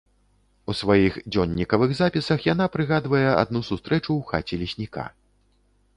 У сваіх дзённікавых запісах яна прыгадвае адну сустрэчу ў хаце лесніка.